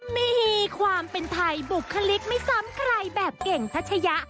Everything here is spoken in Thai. มีความเป็นไทยบุคลิกไม่ซ้ำใครแบบเก่งทัชยะ